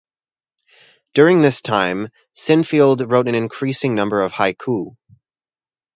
During this time Sinfield wrote an increasing number of haiku.